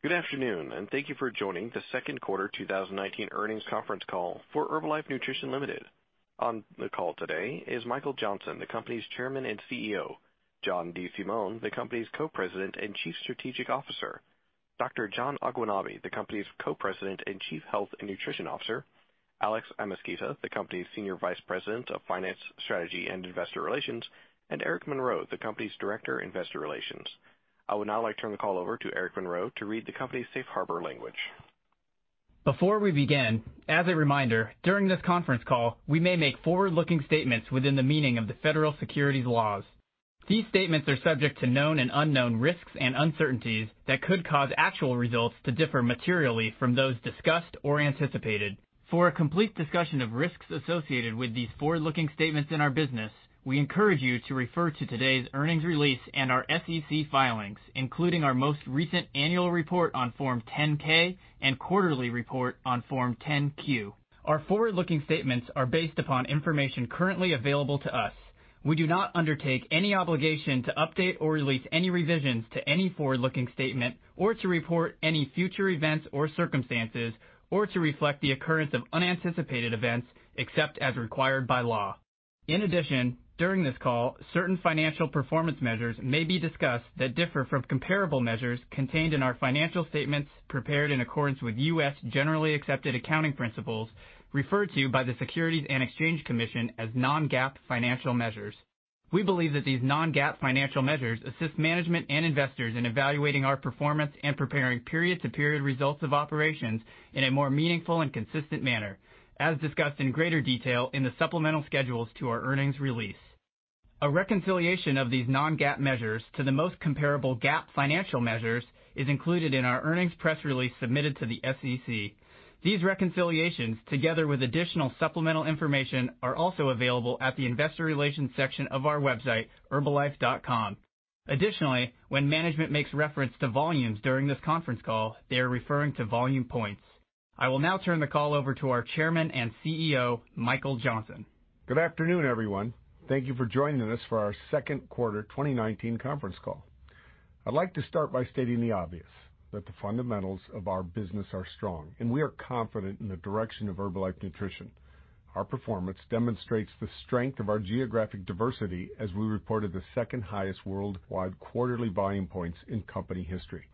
Good afternoon, and thank you for joining the second quarter 2019 earnings conference call for Herbalife Nutrition Limited. On the call today is Michael Johnson, the company's Chairman and Chief Executive Officer. John DeSimone, the company's Co-President and Chief Strategic Officer. Dr. John Agwunobi, the company's Co-President and Chief Health and Nutrition Officer. Alex Amezquita, the company's Senior Vice President of Finance, Strategy and Investor Relations, and Eric Monroe, the company's Director Investor Relations. I would now like to turn the call over to Eric Monroe to read the company's safe harbor language. Before we begin, as a reminder, during this conference call, we may make forward-looking statements within the meaning of the Federal Securities laws. These statements are subject to known and unknown risks and uncertainties that could cause actual results to differ materially from those discussed or anticipated. For a complete discussion of risks associated with these forward-looking statements in our business, we encourage you to refer to today's earnings release and our SEC filings, including our most recent annual report on Form 10-K and quarterly report on Form 10-Q. Our forward-looking statements are based upon information currently available to us. We do not undertake any obligation to update or release any revisions to any forward-looking statement or to report any future events or circumstances, or to reflect the occurrence of unanticipated events, except as required by law. In addition, during this call, certain financial performance measures may be discussed that differ from comparable measures contained in our financial statements prepared in accordance with U.S. generally accepted accounting principles, referred to by the Securities and Exchange Commission as non-GAAP financial measures. We believe that these non-GAAP financial measures assist management and investors in evaluating our performance and preparing period-to-period results of operations in a more meaningful and consistent manner, as discussed in greater detail in the supplemental schedules to our earnings release. A reconciliation of these non-GAAP measures to the most comparable GAAP financial measures is included in our earnings press release submitted to the SEC. These reconciliations, together with additional supplemental information, are also available at the investor relations section of our website, herbalife.com. Additionally, when management makes reference to volumes during this conference call, they are referring to Volume Points. I will now turn the call over to our Chairman and CEO, Michael Johnson. Good afternoon, everyone. Thank you for joining us for our second quarter 2019 conference call. I'd like to start by stating the obvious, that the fundamentals of our business are strong, and we are confident in the direction of Herbalife Nutrition. Our performance demonstrates the strength of our geographic diversity as we reported the second highest worldwide quarterly Volume Points in company history.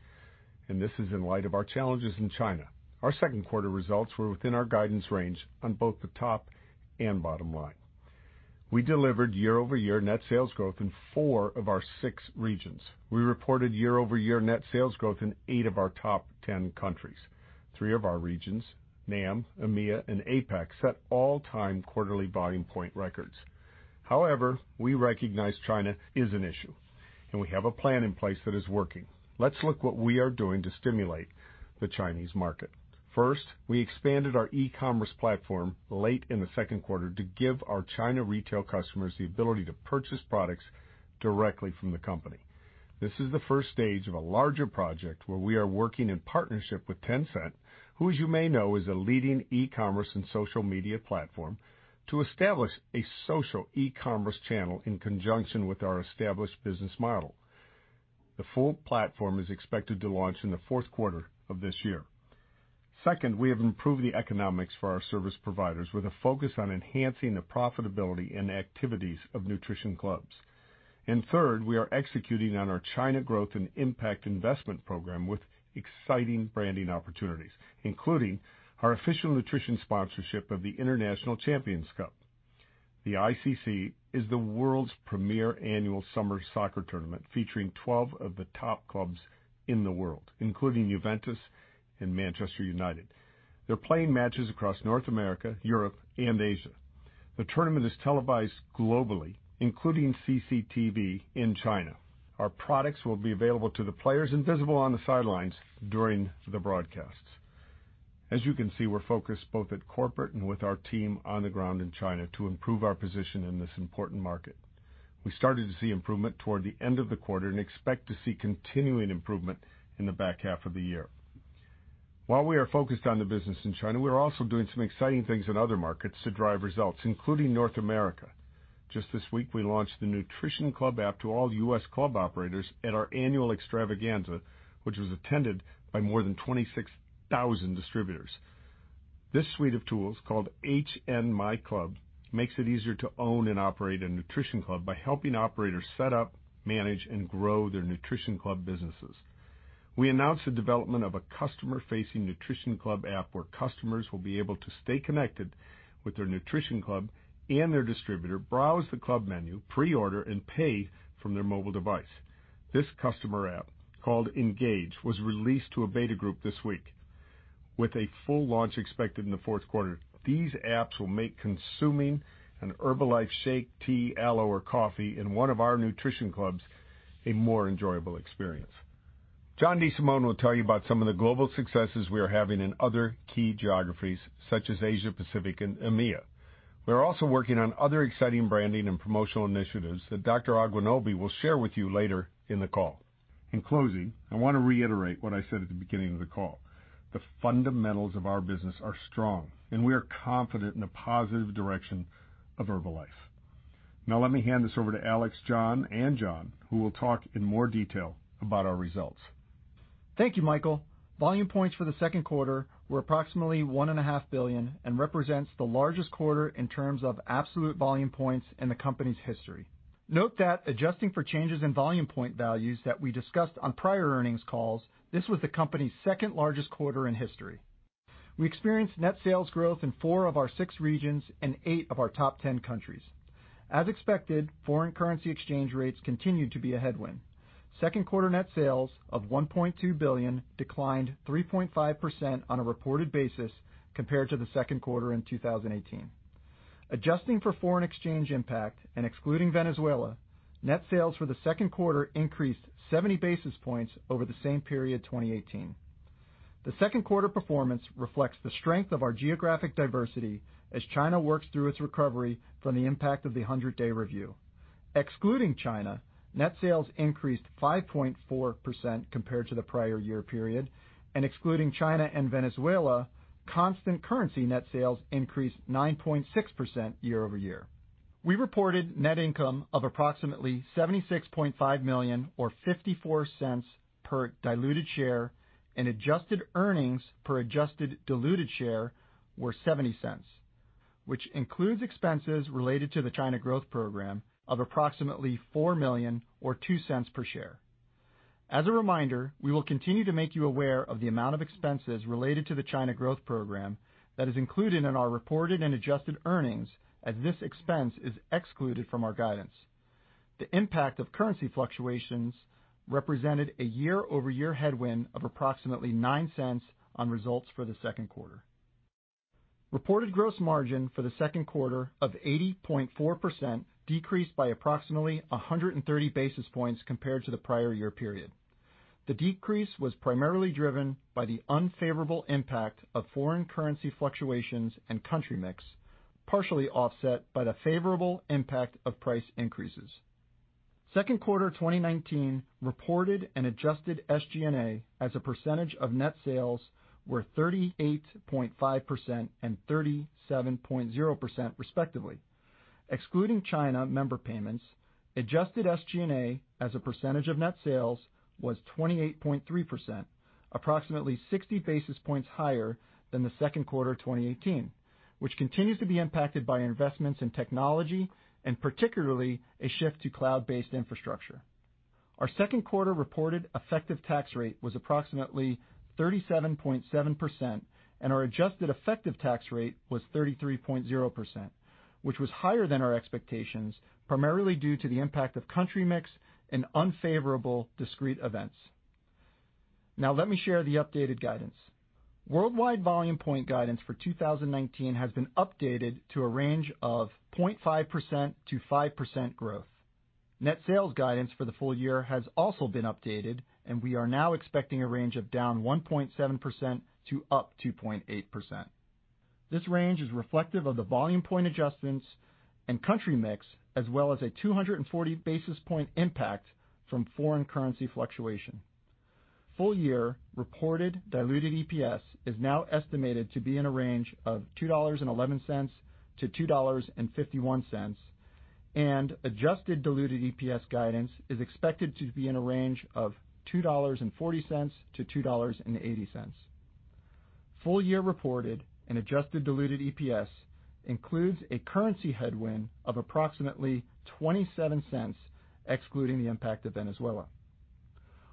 This is in light of our challenges in China. Our second quarter results were within our guidance range on both the top and bottom line. We delivered year-over-year net sales growth in four of our six regions. We reported year-over-year net sales growth in eight of our top 10 countries. Three of our regions, NAM, EMEA, and APAC, set all-time quarterly Volume Point records. However, we recognize China is an issue, and we have a plan in place that is working. Let's look what we are doing to stimulate the Chinese market. First, we expanded our e-commerce platform late in the second quarter to give our China retail customers the ability to purchase products directly from the company. This is the stage 1 of a larger project where we are working in partnership with Tencent, who, as you may know, is a leading e-commerce and social media platform, to establish a social e-commerce channel in conjunction with our established business model. The full platform is expected to launch in the fourth quarter of this year. Second, we have improved the economics for our service providers with a focus on enhancing the profitability and activities of Nutrition Clubs. Third, we are executing on our China growth and impact investment program with exciting branding opportunities, including our official nutrition sponsorship of the International Champions Cup. The ICC is the world's premier annual summer soccer tournament, featuring 12 of the top clubs in the world, including Juventus and Manchester United. They're playing matches across North America, Europe, and Asia. The tournament is televised globally, including CCTV in China. Our products will be available to the players and visible on the sidelines during the broadcasts. As you can see, we're focused both at corporate and with our team on the ground in China to improve our position in this important market. We started to see improvement toward the end of the quarter and expect to see continuing improvement in the back half of the year. While we are focused on the business in China, we are also doing some exciting things in other markets to drive results, including North America. Just this week, we launched the Nutrition Club app to all U.S. club operators at our annual Extravaganza, which was attended by more than 26,000 distributors. This suite of tools, called HN MyClub, makes it easier to own and operate a Nutrition Club by helping operators set up, manage, and grow their Nutrition Club businesses. We announced the development of a customer-facing Nutrition Club app where customers will be able to stay connected with their Nutrition Club and their distributor, browse the club menu, pre-order, and pay from their mobile device. This customer app, called Engage, was released to a beta group this week, with a full launch expected in the fourth quarter. These apps will make consuming an Herbalife shake, tea, aloe, or coffee in one of our Nutrition Clubs a more enjoyable experience. John DeSimone will tell you about some of the global successes we are having in other key geographies, such as Asia-Pacific and EMEA. We're also working on other exciting branding and promotional initiatives that Dr. Agwunobi will share with you later in the call. In closing, I want to reiterate what I said at the beginning of the call. The fundamentals of our business are strong, and we are confident in the positive direction of Herbalife. Now let me hand this over to Alex, John and John, who will talk in more detail about our results. Thank you, Michael. Volume points for the second quarter were approximately $1.5 billion and represents the largest quarter in terms of absolute Volume Points in the company's history. Note that adjusting for changes in Volume Point values that we discussed on prior earnings calls, this was the company's second largest quarter in history. We experienced net sales growth in four of our six regions and eight of our top 10 countries. As expected, foreign currency exchange rates continued to be a headwind. Second quarter net sales of $1.2 billion declined 3.5% on a reported basis compared to the second quarter in 2018. Adjusting for foreign exchange impact and excluding Venezuela, net sales for the second quarter increased 70 basis points over the same period 2018. The second quarter performance reflects the strength of our geographic diversity as China works through its recovery from the impact of the 100-day review. Excluding China, net sales increased 5.4% compared to the prior year period, and excluding China and Venezuela, constant currency net sales increased 9.6% year-over-year. We reported net income of approximately $76.5 million or $0.54 per diluted share, and adjusted earnings per adjusted diluted share were $0.70, which includes expenses related to the China growth program of approximately $4 million or $0.02 per share. As a reminder, we will continue to make you aware of the amount of expenses related to the China growth program that is included in our reported and adjusted earnings as this expense is excluded from our guidance. The impact of currency fluctuations represented a year-over-year headwind of approximately $0.09 on results for the second quarter. Reported gross margin for the second quarter of 80.4% decreased by approximately 130 basis points compared to the prior year period. The decrease was primarily driven by the unfavorable impact of foreign currency fluctuations and country mix, partially offset by the favorable impact of price increases. Second quarter 2019 reported and adjusted SG&A as a percentage of net sales were 38.5% and 37.0% respectively. Excluding China member payments, adjusted SG&A as a percentage of net sales was 28.3%, approximately 60 basis points higher than the second quarter 2018, which continues to be impacted by investments in technology and particularly a shift to cloud-based infrastructure. Our second quarter reported effective tax rate was approximately 37.7%, and our adjusted effective tax rate was 33.0%, which was higher than our expectations, primarily due to the impact of country mix and unfavorable discrete events. Now let me share the updated guidance. Worldwide Volume Point guidance for 2019 has been updated to a range of 0.5%-5% growth. Net sales guidance for the full year has also been updated, and we are now expecting a range of down 1.7% to up 2.8%. This range is reflective of the Volume Point adjustments and country mix, as well as a 240 basis point impact from foreign currency fluctuation. Full year reported diluted EPS is now estimated to be in a range of $2.11-$2.51, and adjusted diluted EPS guidance is expected to be in a range of $2.40-$2.80. Full year reported and adjusted diluted EPS includes a currency headwind of approximately $0.27, excluding the impact of Venezuela.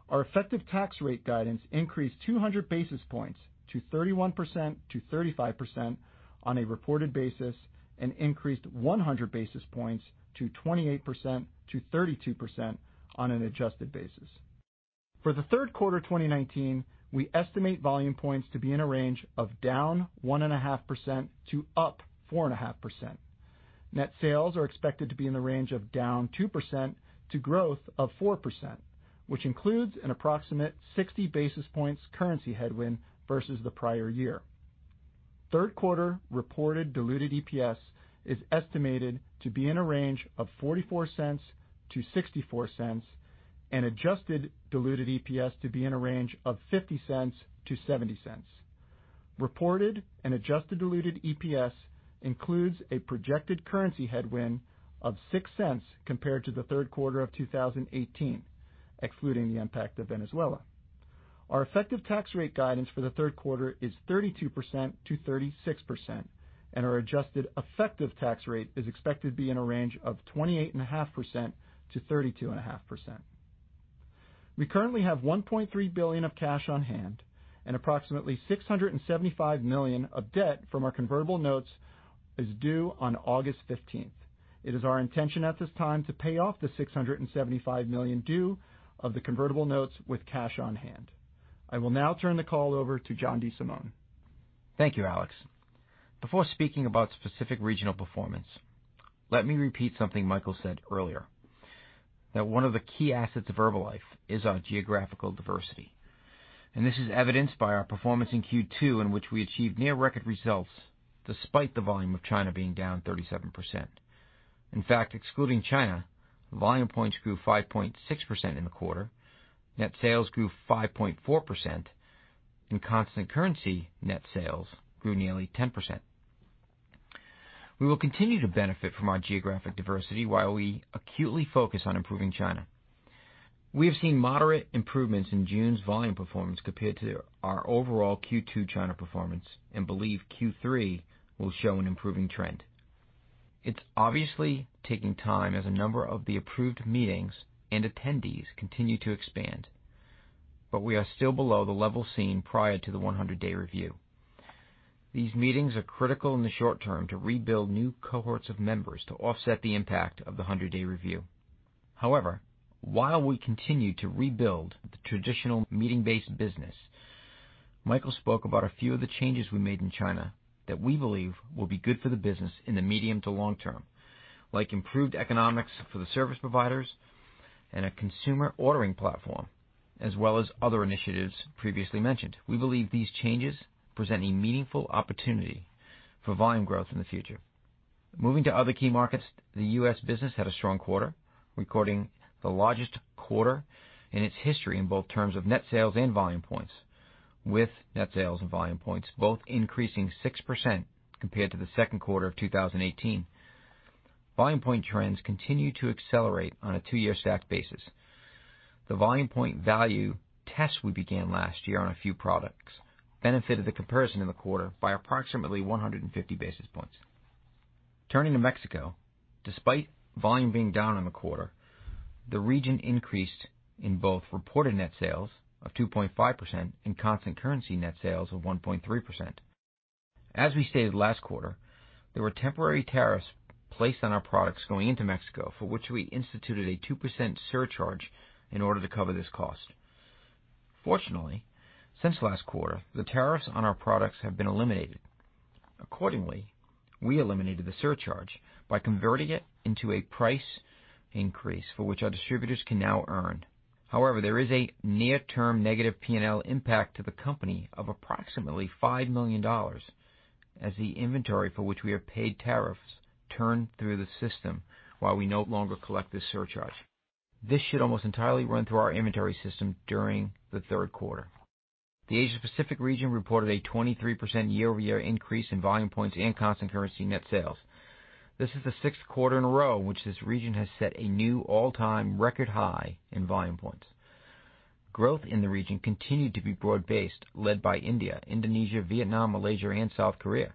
Our effective tax rate guidance increased 200 basis points to 31%-35% on a reported basis and increased 100 basis points to 28%-32% on an adjusted basis. For the third quarter 2019, we estimate Volume Points to be in a range of down 1.5% to up 4.5%. Net sales are expected to be in the range of down 2% to growth of 4%, which includes an approximate 60 basis points currency headwind versus the prior year. Third quarter reported diluted EPS is estimated to be in a range of $0.44-$0.64, and adjusted diluted EPS to be in a range of $0.50-$0.70. Reported and adjusted diluted EPS includes a projected currency headwind of $0.06 compared to the third quarter of 2018, excluding the impact of Venezuela. Our effective tax rate guidance for the third quarter is 32%-36%, and our adjusted effective tax rate is expected to be in a range of 28.5%-32.5%. We currently have $1.3 billion of cash on hand and approximately $675 million of debt from our convertible notes is due on August 15th. It is our intention at this time to pay off the $675 million due of the convertible notes with cash on hand. I will now turn the call over to John DeSimone. Thank you, Alex. Before speaking about specific regional performance, let me repeat something Michael said earlier, that one of the key assets of Herbalife is our geographical diversity, and this is evidenced by our performance in Q2, in which we achieved near record results despite the volume of China being down 37%. In fact, excluding China, Volume Points grew 5.6% in the quarter. Net sales grew 5.4%, and constant currency net sales grew nearly 10%. We will continue to benefit from our geographic diversity while we acutely focus on improving China. We have seen moderate improvements in June's volume performance compared to our overall Q2 China performance and believe Q3 will show an improving trend. It's obviously taking time as a number of the approved meetings and attendees continue to expand, but we are still below the level seen prior to the 100-day review. These meetings are critical in the short term to rebuild new cohorts of members to offset the impact of the 100-day review. However, while we continue to rebuild the traditional meeting-based business, Michael spoke about a few of the changes we made in China that we believe will be good for the business in the medium to long term, like improved economics for the service providers and a consumer ordering platform, as well as other initiatives previously mentioned. We believe these changes present a meaningful opportunity for volume growth in the future. Moving to other key markets, the U.S. business had a strong quarter, recording the largest quarter in its history in both terms of net sales and Volume Points, with net sales and Volume Points both increasing 6% compared to the second quarter of 2018. Volume Point trends continue to accelerate on a two-year stacked basis. The Volume Point value test we began last year on a few products benefited the comparison in the quarter by approximately 150 basis points. Turning to Mexico, despite volume being down in the quarter, the region increased in both reported net sales of 2.5% and constant currency net sales of 1.3%. As we stated last quarter, there were temporary tariffs placed on our products going into Mexico, for which we instituted a 2% surcharge in order to cover this cost. Fortunately, since last quarter, the tariffs on our products have been eliminated. Accordingly, we eliminated the surcharge by converting it into a price increase for which our distributors can now earn. However, there is a near-term negative P&L impact to the company of approximately $5 million as the inventory for which we have paid tariffs turn through the system while we no longer collect this surcharge. This should almost entirely run through our inventory system during the third quarter. The Asia-Pacific region reported a 23% year-over-year increase in Volume Points and constant currency net sales. This is the sixth quarter in a row in which this region has set a new all-time record high in Volume Points. Growth in the region continued to be broad-based, led by India, Indonesia, Vietnam, Malaysia, and South Korea.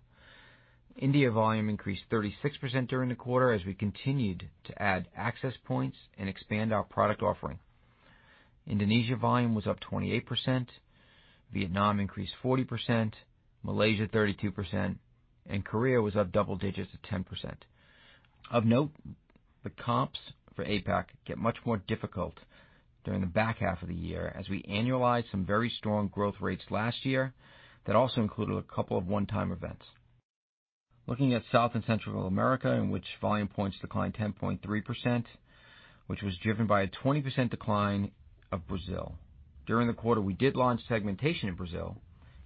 India volume increased 36% during the quarter as we continued to add access points and expand our product offering. Indonesia volume was up 28%, Vietnam increased 40%, Malaysia 32%, and Korea was up double digits at 10%. Of note, the comps for APAC get much more difficult during the back half of the year as we annualize some very strong growth rates last year that also included a couple of one-time events. Looking at South and Central America, in which volume points declined 10.3%, which was driven by a 20% decline of Brazil. During the quarter, we did launch segmentation in Brazil,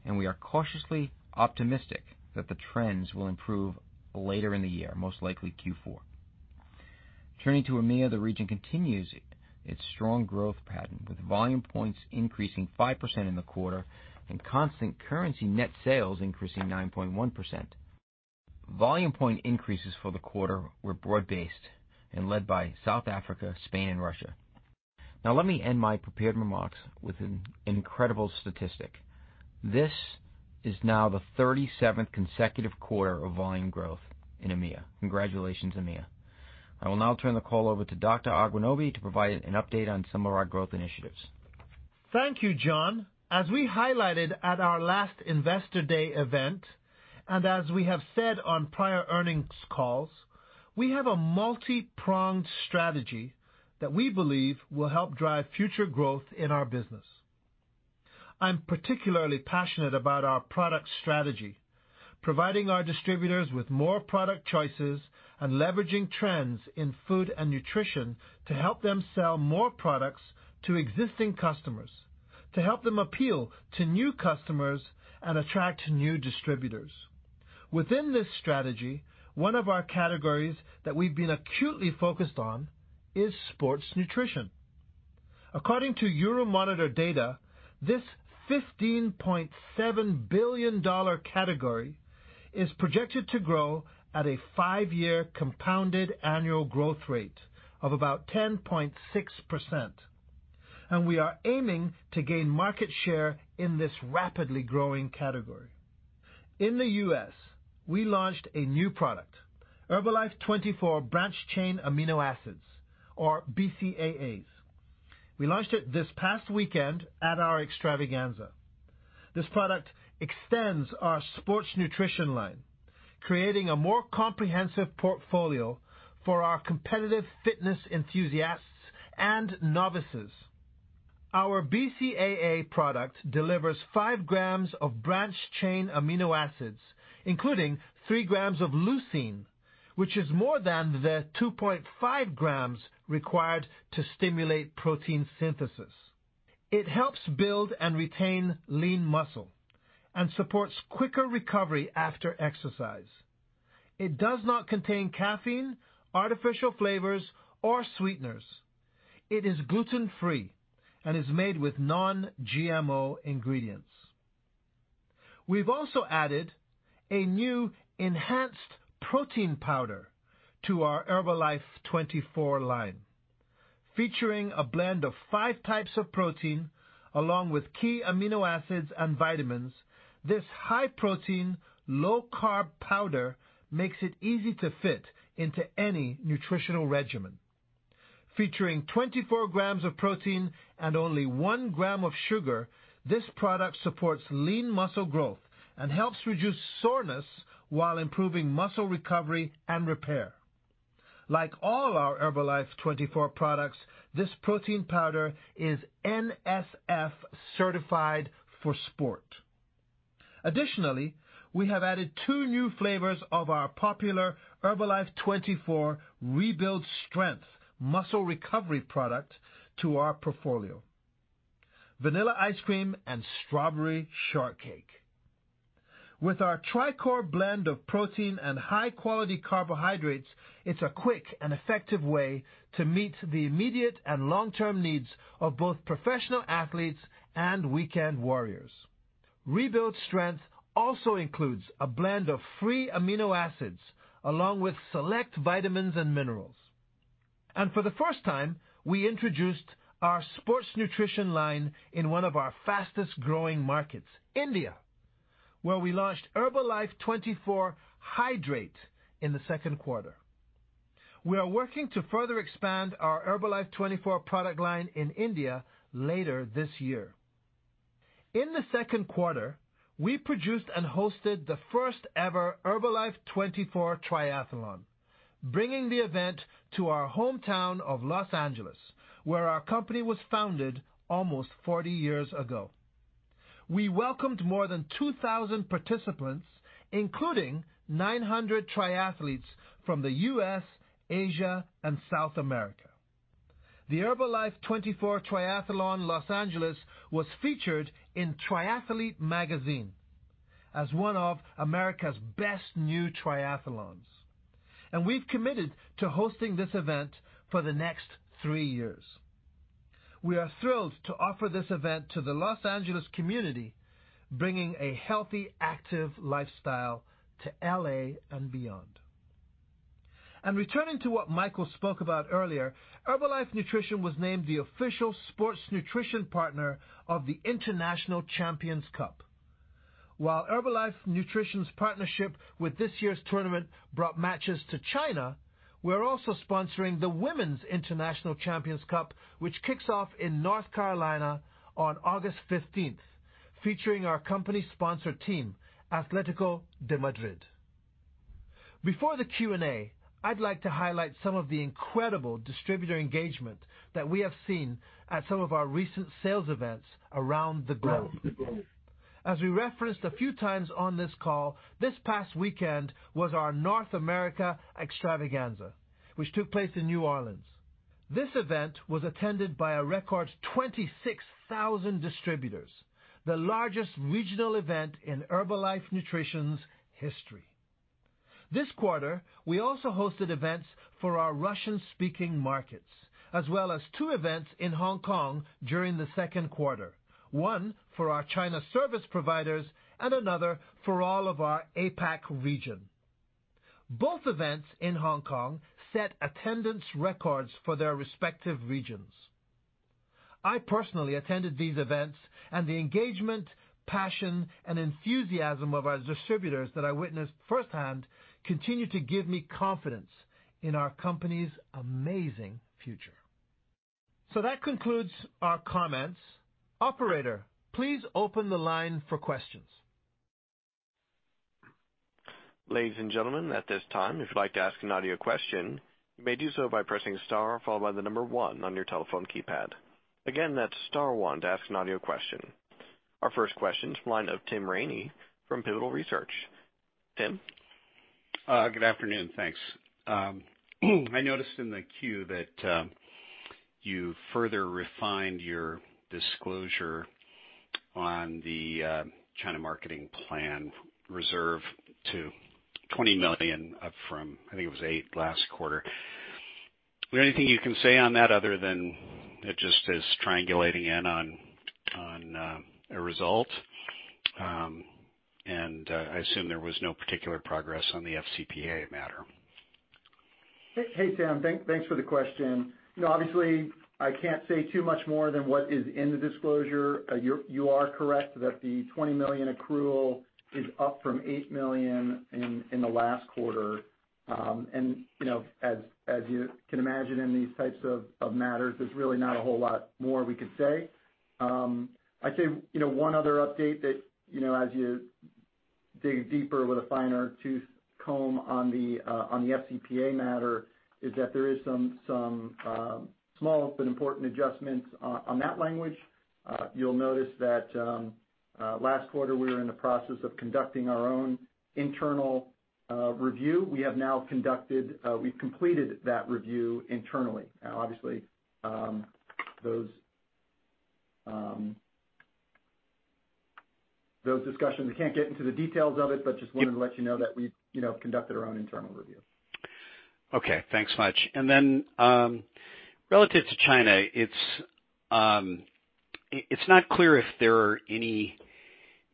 and we are cautiously optimistic that the trends will improve later in the year, most likely Q4. Turning to EMEA, the region continues its strong growth pattern, with volume points increasing 5% in the quarter and constant currency net sales increasing 9.1%. Volume point increases for the quarter were broad-based and led by South Africa, Spain, and Russia. Now let me end my prepared remarks with an incredible statistic. This is now the 37th consecutive quarter of volume growth in EMEA. Congratulations, EMEA. I will now turn the call over to Dr. Agwunobi to provide an update on some of our growth initiatives. Thank you, John. As we highlighted at our last Investor Day event, and as we have said on prior earnings calls, we have a multi-pronged strategy that we believe will help drive future growth in our business. I'm particularly passionate about our product strategy, providing our distributors with more product choices and leveraging trends in food and nutrition to help them sell more products to existing customers, to help them appeal to new customers, and attract new distributors. Within this strategy, one of our categories that we've been acutely focused on is sports nutrition. According to Euromonitor data, this $15.7 billion category is projected to grow at a five-year compounded annual growth rate of about 10.6%. We are aiming to gain market share in this rapidly growing category. In the U.S., we launched a new product, Herbalife24 Branched-Chain Amino Acids, or BCAAs. We launched it this past weekend at our Extravaganza. This product extends our sports nutrition line, creating a more comprehensive portfolio for our competitive fitness enthusiasts and novices. Our BCAA product delivers 5 grams of branched-chain amino acids, including 3 grams of leucine, which is more than the 2.5 grams required to stimulate protein synthesis. It helps build and retain lean muscle and supports quicker recovery after exercise. It does not contain caffeine, artificial flavors, or sweeteners. It is gluten-free and is made with non-GMO ingredients. We've also added a new enhanced protein powder to our Herbalife24 line, featuring a blend of 5 types of protein, along with key amino acids and vitamins. This high-protein, low-carb powder makes it easy to fit into any nutritional regimen. Featuring 24 grams of protein and only one gram of sugar, this product supports lean muscle growth and helps reduce soreness while improving muscle recovery and repair. Like all our Herbalife24 products, this protein powder is NSF Certified for Sport. Additionally, we have added two new flavors of our popular Herbalife24 Rebuild Strength muscle recovery product to our portfolio, vanilla ice cream and strawberry shortcake. With our tri-core blend of protein and high-quality carbohydrates, it's a quick and effective way to meet the immediate and long-term needs of both professional athletes and weekend warriors. Rebuild Strength also includes a blend of free amino acids, along with select vitamins and minerals. For the first time, we introduced our sports nutrition line in one of our fastest-growing markets, India, where we launched Herbalife24 Hydrate in the second quarter. We are working to further expand our Herbalife24 product line in India later this year. In the second quarter, we produced and hosted the first-ever Herbalife24 Triathlon, bringing the event to our hometown of Los Angeles, where our company was founded almost 40 years ago. We welcomed more than 2,000 participants, including 900 triathletes from the U.S., Asia, and South America. The Herbalife24 Triathlon Los Angeles was featured in "Triathlete Magazine" as one of America's best new triathlons, and we've committed to hosting this event for the next three years. We are thrilled to offer this event to the Los Angeles community, bringing a healthy, active lifestyle to L.A. and beyond. Returning to what Michael spoke about earlier, Herbalife Nutrition was named the official sports nutrition partner of the International Champions Cup. While Herbalife Nutrition's partnership with this year's tournament brought matches to China, we're also sponsoring the Women's International Champions Cup, which kicks off in North Carolina on August 15th, featuring our company sponsor team, Atlético de Madrid. Before the Q&A, I'd like to highlight some of the incredible distributor engagement that we have seen at some of our recent sales events around the globe. As we referenced a few times on this call, this past weekend was our North America Extravaganza, which took place in New Orleans. This event was attended by a record 26,000 distributors, the largest regional event in Herbalife Nutrition's history. This quarter, we also hosted events for our Russian-speaking markets, as well as two events in Hong Kong during the second quarter, one for our China service providers and another for all of our APAC region. Both events in Hong Kong set attendance records for their respective regions. I personally attended these events, and the engagement, passion, and enthusiasm of our distributors that I witnessed firsthand continue to give me confidence in our company's amazing future. That concludes our comments. Operator, please open the line for questions. Ladies and gentlemen, at this time, if you'd like to ask an audio question, you may do so by pressing star followed by the number one on your telephone keypad. Again, that's star one to ask an audio question. Our first question is from the line of Tim Ramey from Pivotal Research. Tim? Good afternoon. Thanks. I noticed in the queue that you further refined your disclosure on the China marketing plan reserve to $20 million up from, I think it was $8 million last quarter. Is there anything you can say on that other than it just is triangulating in on a result? I assume there was no particular progress on the FCPA matter. Hey, Tim. Thanks for the question. Obviously, I can't say too much more than what is in the disclosure. You are correct that the $20 million accrual is up from $8 million in the last quarter. As you can imagine in these types of matters, there's really not a whole lot more we could say. I'd say one other update that as you dig deeper with a finer-tooth comb on the FCPA matter is that there is some small but important adjustments on that language. You'll notice that last quarter, we were in the process of conducting our own internal review. We've completed that review internally. Obviously, those discussions, we can't get into the details of it, but just wanted to let you know that we've conducted our own internal review. Okay, thanks much. Relative to China, it's not clear if there are any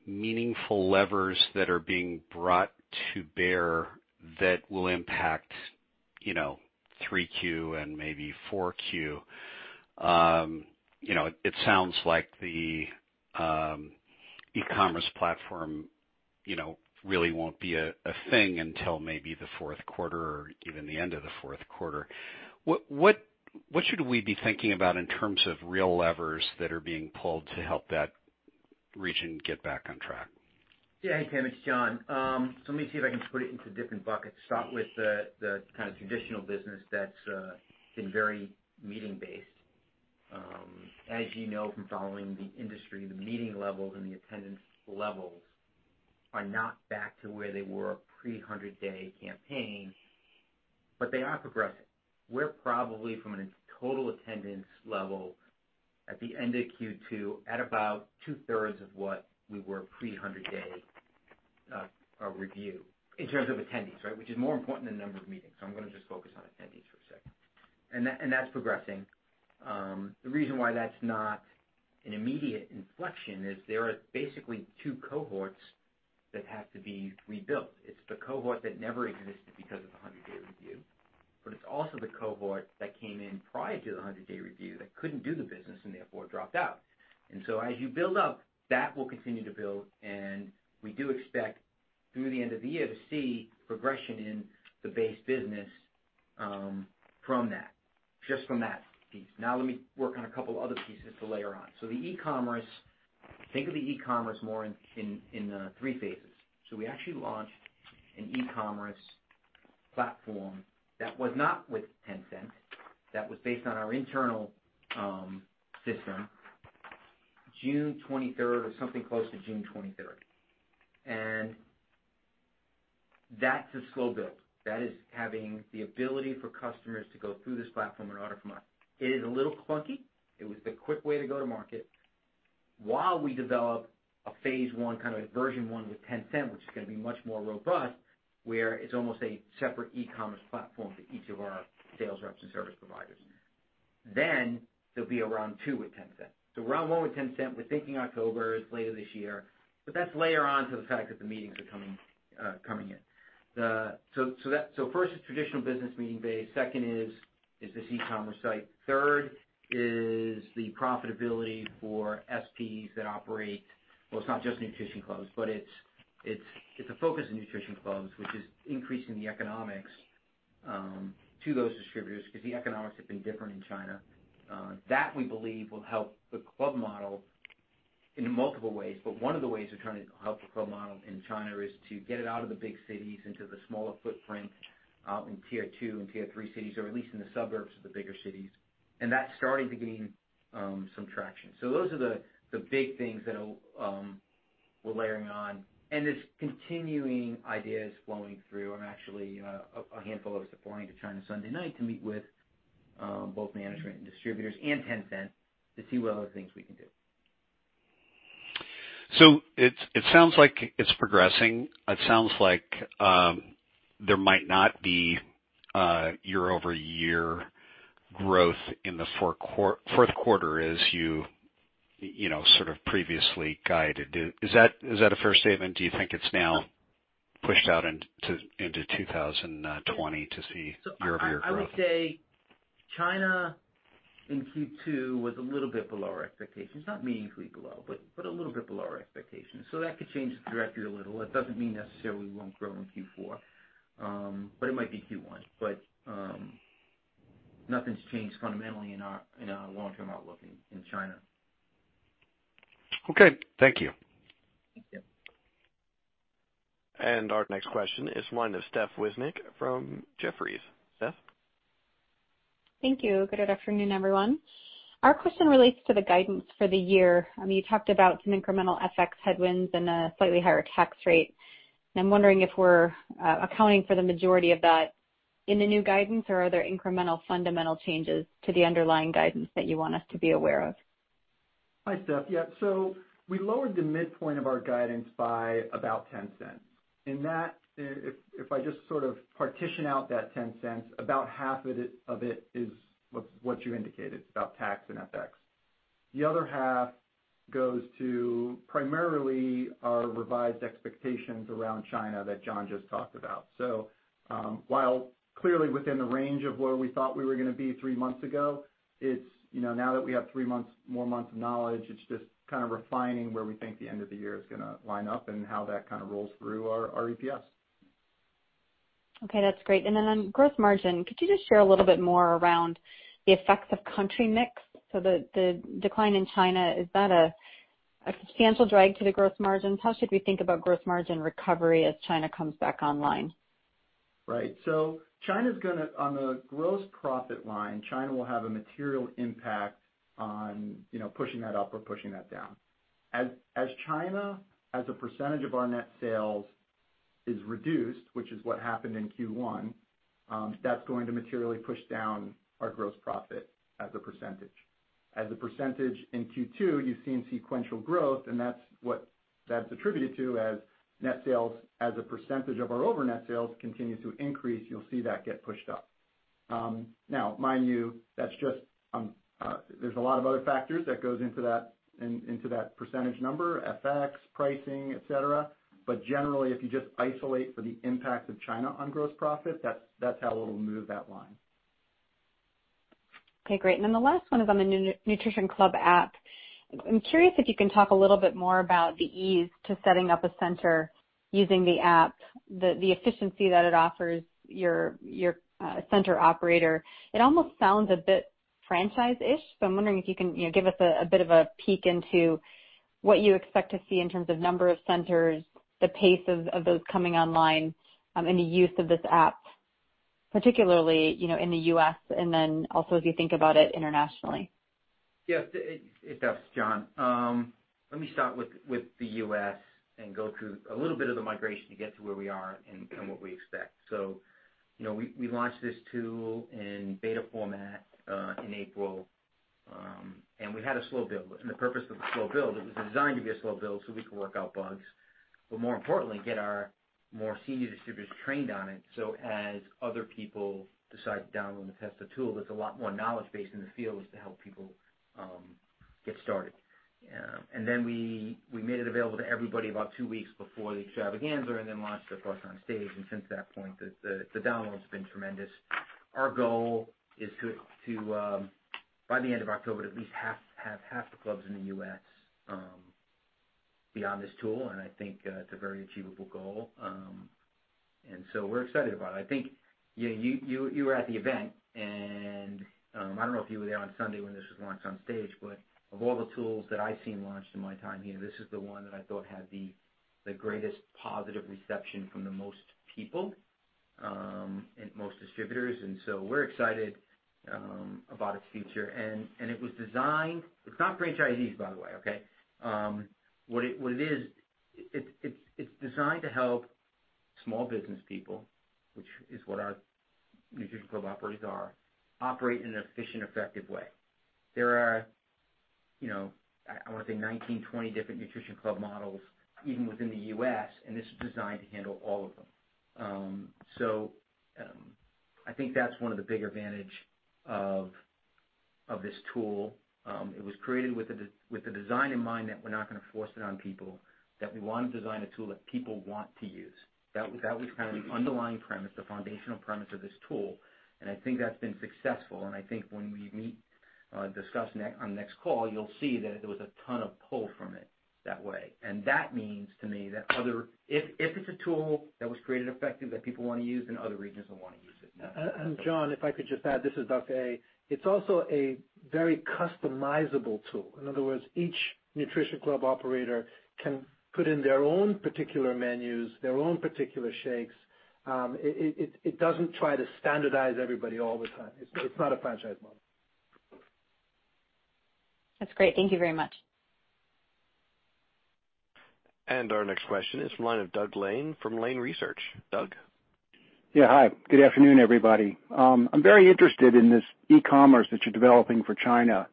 meaningful levers that are being brought to bear that will impact 3Q and maybe 4Q. It sounds like the e-commerce platform really won't be a thing until maybe the fourth quarter or even the end of the fourth quarter. What should we be thinking about in terms of real levers that are being pulled to help that region get back on track? Yeah. Hey, Tim, it's John. Let me see if I can put it into different buckets. Start with the kind of traditional business that's been very meeting based. As you know from following the industry, the meeting levels and the attendance levels are not back to where they were pre-100-day campaign, but they are progressing. We're probably from a total attendance level at the end of Q2, at about two-thirds of what we were pre-100-day review in terms of attendees, right? Which is more important than number of meetings. I'm going to just focus on attendees for a second. That's progressing. The reason why that's not an immediate inflection is there are basically two cohorts that have to be rebuilt. It's the cohort that never existed because of the 100-day review, but it's also the cohort that came in prior to the 100-day review that couldn't do the business, and therefore dropped out. As you build up, that will continue to build, and we do expect through the end of the year to see progression in the base business from that, just from that piece. Let me work on a couple other pieces to layer on. The e-commerce, think of the e-commerce more in three phases. We actually launched an e-commerce platform that was not with Tencent, that was based on our internal system, June 23rd or something close to June 23rd. That's a slow build. That is having the ability for customers to go through this platform and order from us. It is a little clunky. It was the quick way to go to market while we develop a phase I, kind of a version 1 with Tencent, which is going to be much more robust, where it's almost a separate e-commerce platform for each of our sales reps and service providers. There will be a round 2 with Tencent. Round 1 with Tencent, we're thinking October, it's later this year. That's later on to the fact that the meetings are coming in. First is traditional business meeting base, second is this e-commerce site. Third is the profitability for SPs that operate Well, it's not just Nutrition Clubs, but it's a focus on Nutrition Clubs, which is increasing the economics to those distributors, because the economics have been different in China. That we believe will help the Nutrition Club model in multiple ways, but one of the ways we're trying to help the Nutrition Club model in China is to get it out of the big cities into the smaller footprint, in tier 2 and tier 3 cities, or at least in the suburbs of the bigger cities. That's starting to gain some traction. Those are the big things that we're layering on and there's continuing ideas flowing through. Actually, a handful of us are flying to China Sunday night to meet with both management and distributors and Tencent to see what other things we can do. It sounds like it's progressing. It sounds like there might not be year-over-year growth in the fourth quarter as you sort of previously guided. Is that a fair statement? Do you think it's now pushed out into 2020 to see year-over-year growth? I would say China in Q2 was a little bit below our expectations. Not meaningfully below, but a little bit below our expectations. That could change the trajectory a little. It doesn't mean necessarily we won't grow in Q4. It might be Q1. Nothing's changed fundamentally in our long-term outlook in China. Okay. Thank you. Thank you. Our next question is line of Steph Wissink from Jefferies. Steph? Thank you. Good afternoon, everyone. Our question relates to the guidance for the year. You talked about some incremental FX headwinds and a slightly higher tax rate. I'm wondering if we're accounting for the majority of that in the new guidance or are there incremental fundamental changes to the underlying guidance that you want us to be aware of? Hi, Steph. Yeah. We lowered the midpoint of our guidance by about $0.10. That, if I just sort of partition out that $0.10, about half of it is what you indicated, about tax and FX. The other half goes to primarily our revised expectations around China that John just talked about. While clearly within the range of where we thought we were going to be three months ago, now that we have three more months of knowledge, it's just kind of refining where we think the end of the year is going to line up and how that kind of rolls through our EPS. Okay, that's great. On gross margin, could you just share a little bit more around the effects of country mix? The decline in China, is that a substantial drag to the gross margins? How should we think about gross margin recovery as China comes back online? On the gross profit line, China will have a material impact on pushing that up or pushing that down. As China, as a percentage of our net sales, is reduced, which is what happened in Q1, that's going to materially push down our gross profit as a percentage. As a percentage in Q2, you've seen sequential growth, and that's what that's attributed to as net sales as a percentage of our over net sales continues to increase, you'll see that get pushed up. Now, mind you, there's a lot of other factors that goes into that percentage number, FX, pricing, et cetera, generally, if you just isolate for the impact of China on gross profit, that's how it'll move that line. Okay, great. The last one is on the Nutrition Club app. I'm curious if you can talk a little bit more about the ease to setting up a center using the app, the efficiency that it offers your center operator. It almost sounds a bit franchise-ish. I'm wondering if you can give us a bit of a peek into what you expect to see in terms of number of centers, the pace of those coming online, and the use of this app, particularly, in the U.S. and then also as you think about it internationally. Yes. It's John. Let me start with the U.S. and go through a little bit of the migration to get to where we are and what we expect. We launched this tool in beta format, in April, and we had a slow build. The purpose of the slow build, it was designed to be a slow build so we could work out bugs, but more importantly, get our more senior distributors trained on it, so as other people decide to download and test the tool, there's a lot more knowledge base in the field as to help people get started. Then we made it available to everybody about two weeks before the Extravaganza, then launched, of course, on stage. Since that point, the downloads have been tremendous. Our goal is to, by the end of October, at least have half the clubs in the U.S. be on this tool, and I think it's a very achievable goal. We're excited about it. I think you were at the event, and I don't know if you were there on Sunday when this was launched on stage, but of all the tools that I've seen launched in my time here, this is the one that I thought had the greatest positive reception from the most people, and most distributors. We're excited about its future. It was designed. It's not franchisees, by the way, okay? What it is, it's designed to help small business people, which is what our Nutrition Club operators are, operate in an efficient, effective way. There are, I want to say 19, 20 different Nutrition Club models even within the U.S. This is designed to handle all of them. I think that's one of the big advantage of this tool. It was created with the design in mind that we're not going to force it on people, that we want to design a tool that people want to use. That was kind of the underlying premise, the foundational premise of this tool. I think that's been successful. I think when we meet, discuss on next call, you'll see that there was a ton of pull from it that way. That means to me that if it's a tool that was created effective that people want to use, then other regions will want to use it. John, if I could just add, this is Doug A. It's also a very customizable tool. In other words, each Nutrition Club operator can put in their own particular menus, their own particular shakes. It doesn't try to standardize everybody all the time. It's not a franchise model. That's great. Thank you very much. Our next question is from the line of Doug Lane from Lane Research. Doug? Yeah, hi. Good afternoon, everybody. I'm very interested in this e-commerce that you're developing for China.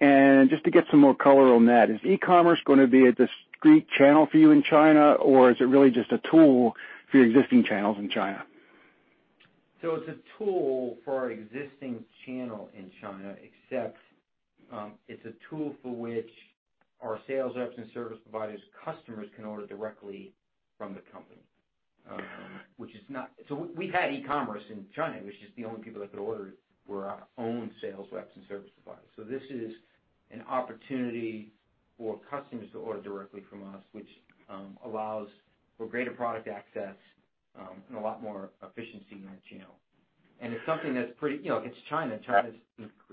Just to get some more color on that, is e-commerce going to be a discrete channel for you in China, or is it really just a tool for your existing channels in China? It's a tool for our existing channel in China, except, it's a tool for which our sales reps and service providers' customers can order directly from the company. We've had e-commerce in China, it was just the only people that could order it were our own sales reps and service providers. This is an opportunity for customers to order directly from us, which allows for greater product access, and a lot more efficiency in that channel. It's something that's pretty. It's China. China,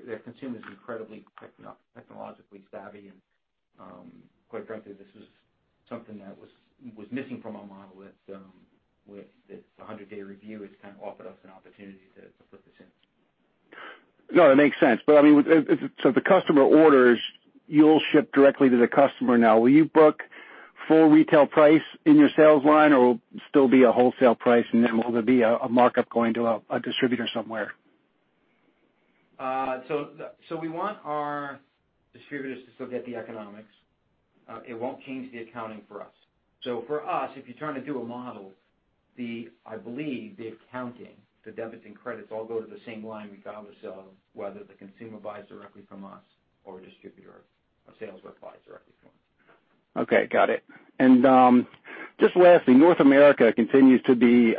their consumer is incredibly technologically savvy and, quite frankly, this is something that was missing from our model with its 100-day review. It's kind of offered us an opportunity to put this in. No, that makes sense. I mean, the customer orders, you'll ship directly to the customer now. Will you book full retail price in your sales line, or will it still be a wholesale price, and then will there be a markup going to a distributor somewhere? We want our distributors to still get the economics. It won't change the accounting for us. For us, if you're trying to do a model, I believe the accounting, the debits and credits, all go to the same line regardless of whether the consumer buys directly from us or a distributor or a sales rep buys directly from us. Okay, got it. Just lastly, North America continues to be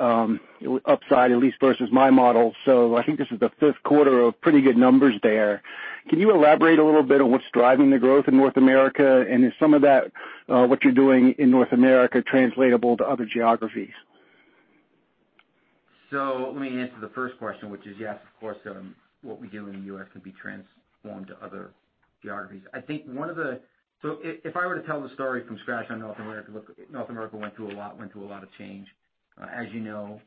upside, at least versus my model. I think this is the fifth quarter of pretty good numbers there. Can you elaborate a little bit on what's driving the growth in North America, and is some of that, what you're doing in North America, translatable to other geographies? Let me answer the first question, which is yes, of course, what we do in the U.S. can be transformed to other geographies. If I were to tell the story from scratch on North America, look, North America went through a lot of change. As you know,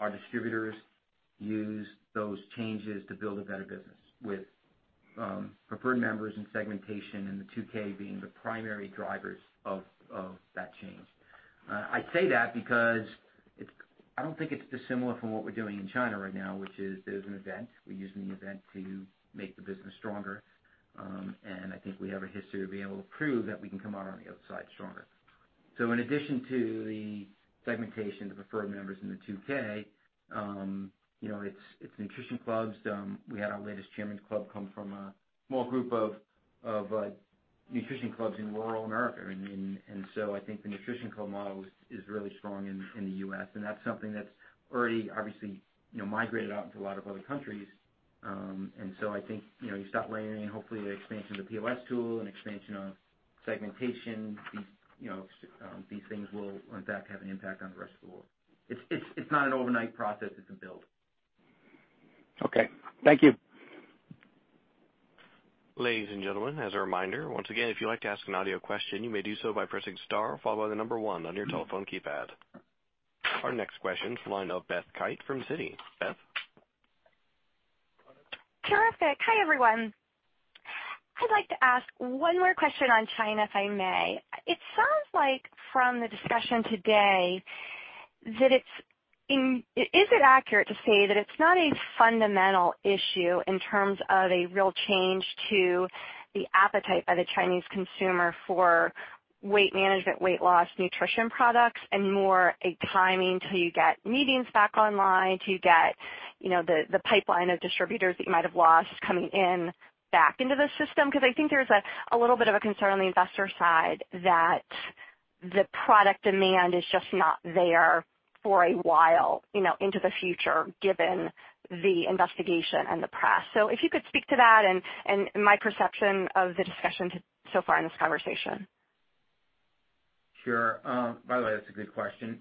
our distributors used those changes to build a better business with Preferred Members and segmentation and the 2K being the primary drivers of that change. I say that because I don't think it's dissimilar from what we're doing in China right now, which is there's an event, we're using the event to make the business stronger. I think we have a history to be able to prove that we can come out on the other side stronger. In addition to the segmentation, the Preferred Members, and the 2K, it's Nutrition Clubs. We had our latest Chairman's Club come from a small group of Nutrition Clubs in rural America. I think the Nutrition Club model is really strong in the U.S., and that's something that's already obviously migrated out into a lot of other countries. I think, you start layering in, hopefully, the expansion of the POS tool and expansion of segmentation. These things will, in fact, have an impact on the rest of the world. It's not an overnight process. It's a build. Okay. Thank you. Ladies and gentlemen, as a reminder, once again, if you'd like to ask an audio question, you may do so by pressing star, followed by the number one on your telephone keypad. Our next question is from the line of Beth Kite from Citi. Beth? Terrific. Hi, everyone. I'd like to ask one more question on China, if I may. It sounds like from the discussion today, is it accurate to say that it's not a fundamental issue in terms of a real change to the appetite of the Chinese consumer for weight management, weight loss, nutrition products, and more a timing till you get meetings back online, till you get the pipeline of distributors that you might have lost coming in, back into the system? I think there's a little bit of a concern on the investor side that the product demand is just not there for a while into the future, given the investigation and the press. If you could speak to that and my perception of the discussion so far in this conversation. Sure. By the way, that's a good question.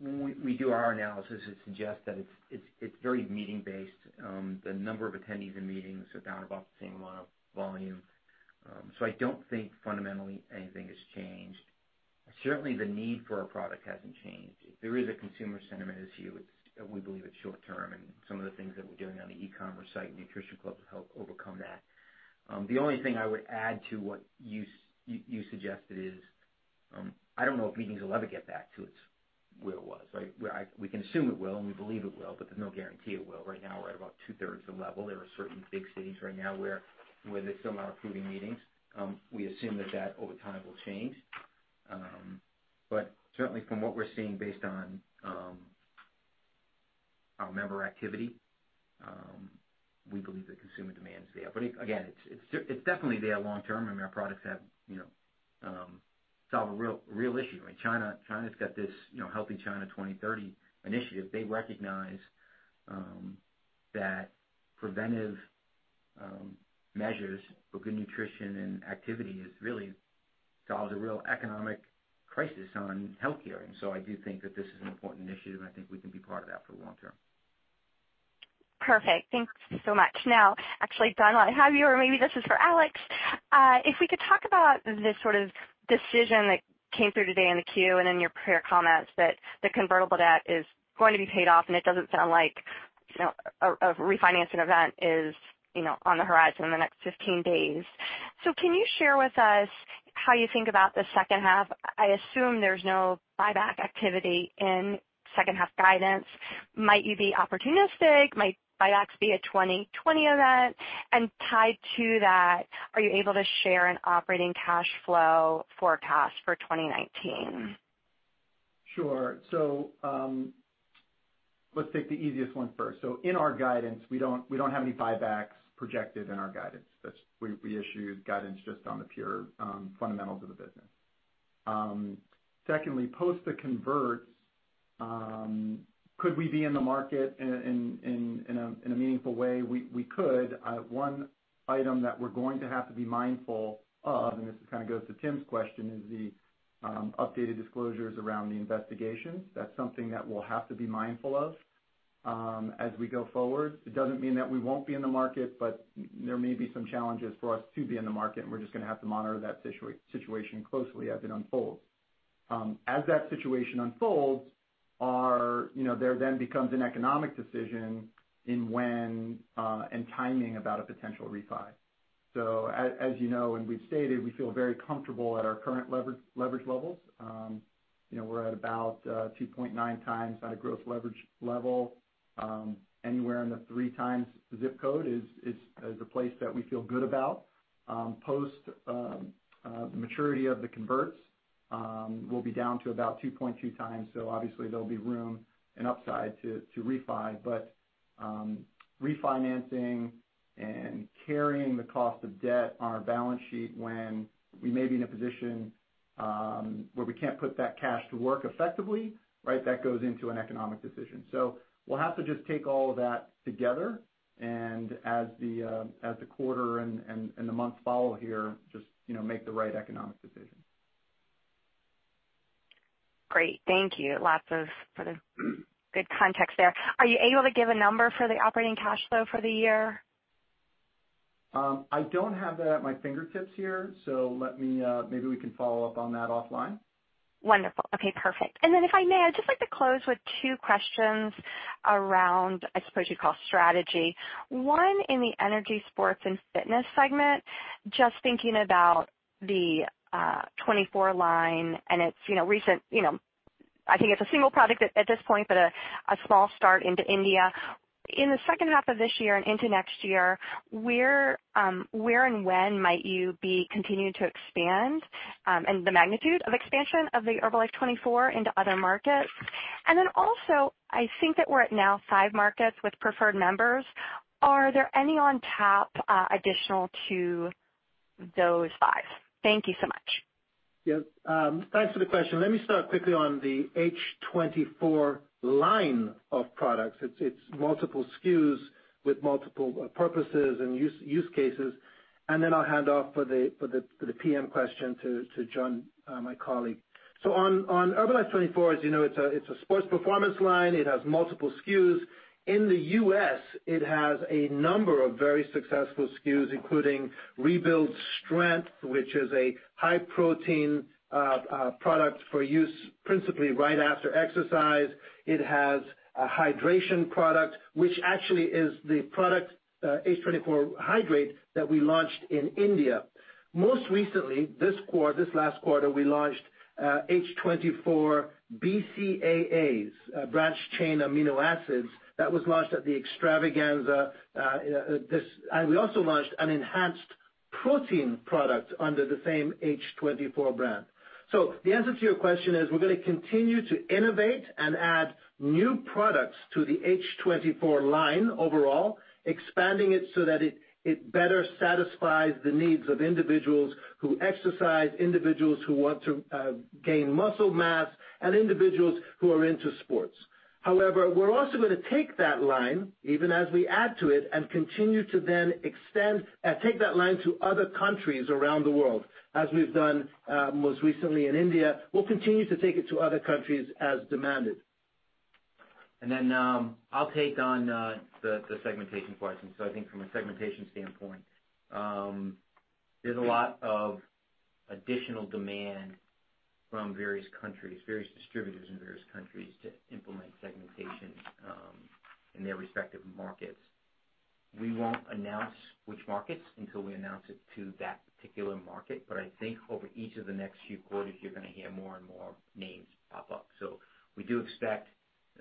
When we do our analysis, it suggests that it's very meeting based. The number of attendees in meetings are down about the same amount of volume. I don't think fundamentally anything has changed. Certainly, the need for our product hasn't changed. If there is a consumer sentiment issue, we believe it's short-term, and some of the things that we're doing on the e-commerce site, Nutrition Club, will help overcome that. The only thing I would add to what you suggested is, I don't know if meetings will ever get back to where it was. We can assume it will, and we believe it will, but there's no guarantee it will. Right now, we're at about two-thirds the level. There are certain big cities right now where they still are not approving meetings. We assume that that over time will change. Certainly, from what we're seeing based on our member activity, we believe the consumer demand is there. Again, it's definitely there long term. I mean, our products solve a real issue. China's got this Healthy China 2030 initiative. They recognize that preventive measures for good nutrition and activity really solves a real economic crisis on healthcare. I do think that this is an important initiative, and I think we can be part of that for the long term. Perfect. Thanks so much. Now, actually, Don, I have you, or maybe this is for Alex. If we could talk about this sort of decision that came through today in the Form 10-Q and in your prior comments that the convertible notes is going to be paid off, and it doesn't sound like a refinancing event is on the horizon in the next 15 days. Can you share with us how you think about the second half? I assume there's no buyback activity in second half guidance. Might you be opportunistic? Might buybacks be a 2020 event? Tied to that, are you able to share an operating cash flow forecast for 2019? Sure. Let's take the easiest one first. In our guidance, we don't have any buybacks projected in our guidance. We issue guidance just on the pure fundamentals of the business. Secondly, post the converts, could we be in the market in a meaningful way? We could. One item that we're going to have to be mindful of, and this kind of goes to Tim's question, is the updated disclosures around the investigation. That's something that we'll have to be mindful of as we go forward. It doesn't mean that we won't be in the market, but there may be some challenges for us to be in the market, and we're just going to have to monitor that situation closely as it unfolds. As that situation unfolds, there then becomes an economic decision in when, and timing about a potential refi. As you know and we've stated, we feel very comfortable at our current leverage levels. We're at about 2.9x at a gross leverage level. Anywhere in the 3x the zip code is a place that we feel good about. Post maturity of the converts, we'll be down to about 2.2x, obviously there'll be room and upside to refi. Refinancing and carrying the cost of debt on our balance sheet when we may be in a position where we can't put that cash to work effectively, that goes into an economic decision. We'll have to just take all of that together and as the quarter and the months follow here, just make the right economic decision. Great. Thank you. Lots of good context there. Are you able to give a number for the operating cash flow for the year? I don't have that at my fingertips here, so maybe we can follow up on that offline. Wonderful. Okay, perfect. If I may, I'd just like to close with two questions around, I suppose you'd call strategy. One in the energy, sports and fitness segment. Just thinking about the 24 line and its recent, I think it's a single product at this point, but a small start into India. In the second half of this year and into next year, where and when might you be continuing to expand, and the magnitude of expansion of the Herbalife24 into other markets? Also, I think that we're at now five markets with Preferred Members. Are there any on tap additional to those five? Thank you so much. Yes, thanks for the question. Let me start quickly on the Herbalife24 line of products. It's multiple SKUs with multiple purposes and use cases. Then I'll hand off for the PM question to John, my colleague. On Herbalife24, as you know, it's a sports performance line. It has multiple SKUs. In the U.S., it has a number of very successful SKUs, including Rebuild Strength, which is a high protein product for use principally right after exercise. It has a hydration product, which actually is the product Herbalife24 Hydrate that we launched in India. Most recently, this last quarter, we launched Herbalife24 BCAAs, branched-chain amino acids. That was launched at the Extravaganza. We also launched an enhanced protein product under the same Herbalife24 brand. The answer to your question is we're going to continue to innovate and add new products to the Herbalife24 line overall, expanding it so that it better satisfies the needs of individuals who exercise, individuals who want to gain muscle mass, and individuals who are into sports. However, we're also going to take that line, even as we add to it, and continue to then take that line to other countries around the world, as we've done most recently in India. We'll continue to take it to other countries as demanded. I'll take on the segmentation question. I think from a segmentation standpoint, there's a lot of additional demand from various distributors in various countries to implement segmentation in their respective markets. We won't announce which markets until we announce it to that particular market, but I think over each of the next few quarters, you're going to hear more and more names pop up. We do expect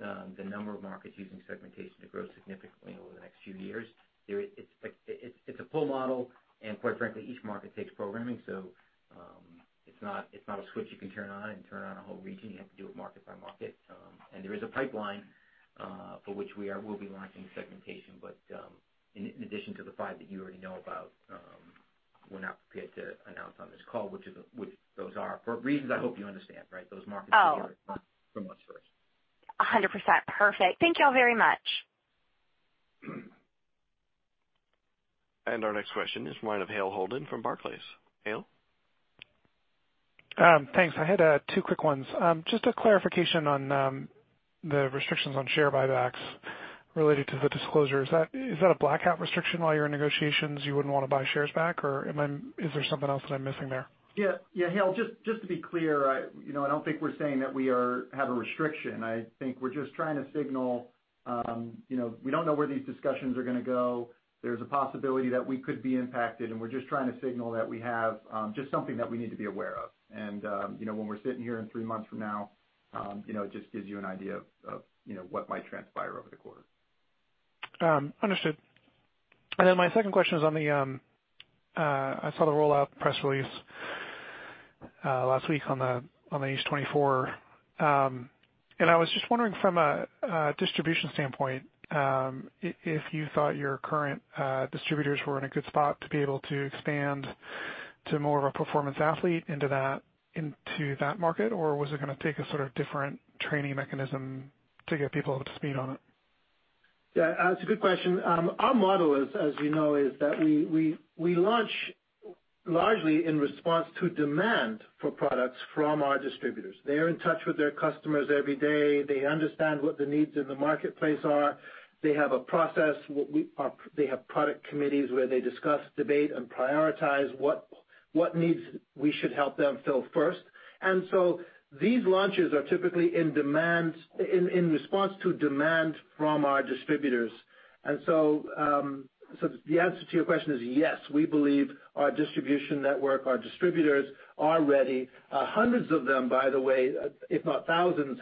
the number of markets using segmentation to grow significantly over the next few years. It's a pull model and quite frankly, each market takes programming. It's not a switch you can turn on and turn on a whole region. You have to do it market by market. There is a pipeline, for which we will be launching segmentation, but in addition to the five that you already know about, we're not prepared to announce on this call which those are, for reasons I hope you understand, right? Those markets will hear it from us first. 100%. Perfect. Thank you all very much. Our next question is line of Hale Holden from Barclays. Hale? Thanks. I had two quick ones. Just a clarification on the restrictions on share buybacks related to the disclosure. Is that a blackout restriction while you're in negotiations, you wouldn't want to buy shares back, or is there something else that I'm missing there? Yeah. Hale, just to be clear, I don't think we're saying that we have a restriction. I think we're just trying to signal, we don't know where these discussions are going to go. There's a possibility that we could be impacted, and we're just trying to signal that we have just something that we need to be aware of. When we're sitting here in three months from now, it just gives you an idea of what might transpire over the quarter. Understood. My second question is on the I saw the rollout press release last week on the Herbalife24. I was just wondering from a distribution standpoint, if you thought your current distributors were in a good spot to be able to expand to more of a performance athlete into that market, or was it going to take a sort of different training mechanism to get people up to speed on it? Yeah, that's a good question. Our model is, as you know, is that we launch largely in response to demand for products from our distributors. They are in touch with their customers every day. They understand what the needs in the marketplace are. They have a process. They have product committees where they discuss, debate, and prioritize what needs we should help them fill first. These launches are typically in response to demand from our distributors. The answer to your question is yes, we believe our distribution network, our distributors are ready. Hundreds of them, by the way, if not thousands,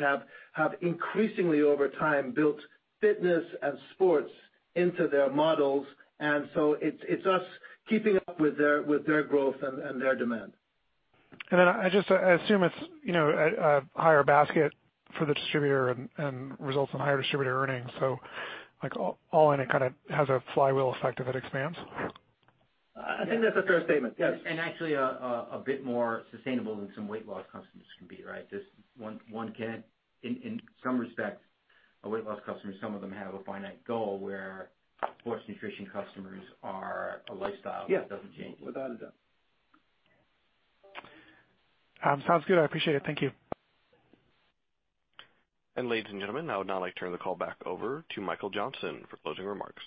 have increasingly over time built fitness and sports into their models. It's us keeping up with their growth and their demand. I assume it's a higher basket for the distributor and results in higher distributor earnings. All in, it kind of has a flywheel effect if it expands. I think that's a fair statement. Yes. Actually, a bit more sustainable than some weight loss customers can be, right? A weight loss customer, some of them have a finite goal, where sports nutrition customers are a lifestyle. Yes that doesn't change. Without a doubt. Sounds good. I appreciate it. Thank you. ladies and gentlemen, I would now like to turn the call back over to Michael Johnson for closing remarks.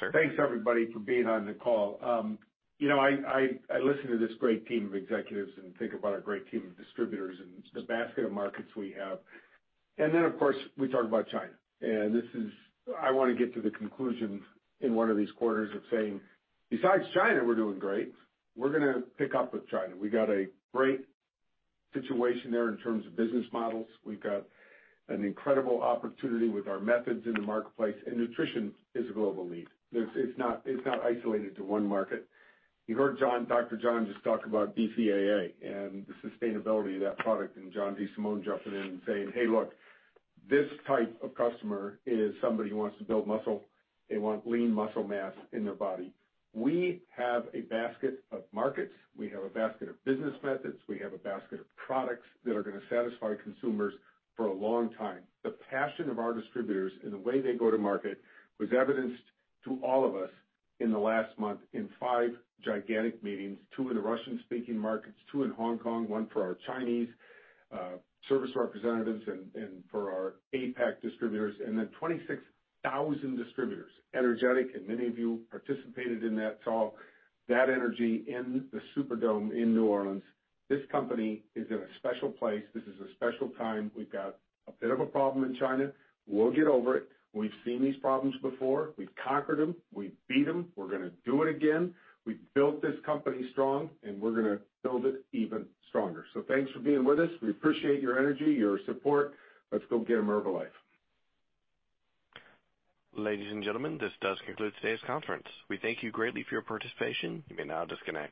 Sir? Thanks everybody for being on the call. I listen to this great team of executives and think about our great team of distributors and the basket of markets we have. Then, of course, we talk about China, and I want to get to the conclusion in one of these quarters of saying, besides China, we're doing great. We're going to pick up with China. We got a great situation there in terms of business models. We've got an incredible opportunity with our methods in the marketplace, and nutrition is a global need. It's not isolated to one market. You heard Dr. John just talk about BCAA and the sustainability of that product, and John DeSimone jumping in and saying, "Hey, look, this type of customer is somebody who wants to build muscle. They want lean muscle mass in their body." We have a basket of markets. We have a basket of business methods. We have a basket of products that are going to satisfy consumers for a long time. The passion of our distributors and the way they go to market was evidenced to all of us in the last month in five gigantic meetings, two in the Russian-speaking markets, two in Hong Kong, one for our Chinese service representatives and for our APAC distributors, and then 26,000 distributors, energetic, and many of you participated in that talk, that energy in the Superdome in New Orleans. This company is in a special place. This is a special time. We've got a bit of a problem in China. We'll get over it. We've seen these problems before. We've conquered them. We've beat them. We're going to do it again. We've built this company strong, and we're going to build it even stronger. Thanks for being with us. We appreciate your energy, your support. Let's go get them, Herbalife. Ladies and gentlemen, this does conclude today's conference. We thank you greatly for your participation. You may now disconnect.